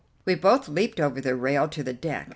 We both leaped over the rail to the deck.